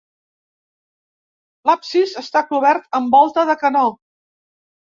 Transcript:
L'absis està cobert amb volta de canó.